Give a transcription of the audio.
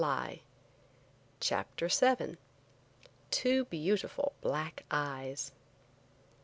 CHAPTER VII. "TWO BEAUTIFUL BLACK EYES."